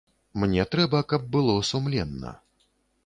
Мне трэба, каб было сумленна.